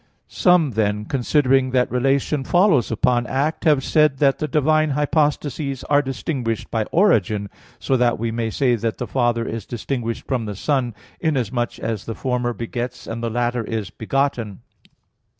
Some, then, considering that relation follows upon act, have said that the divine hypostases are distinguished by origin, so that we may say that the Father is distinguished from the Son, inasmuch as the former begets and the latter is begotten.